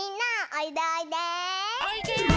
おいで！